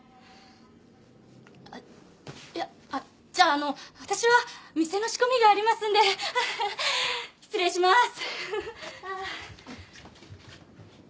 あっいやあっじゃあのわたしは店の仕込みがありますんで失礼します。